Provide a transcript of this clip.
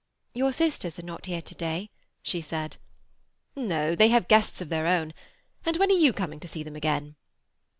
"Your sisters are not here to day?" she said. "No. They have guests of their own. And when are you coming to see them again?"